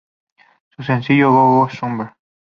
Su sencillo "Go Go Summer!